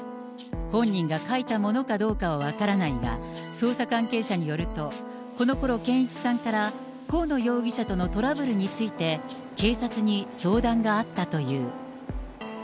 本人が書いたものかどうかは分からないが、捜査関係者によると、このころ健一さんから、河野容疑者とのトラブルについて警察に相談があったという。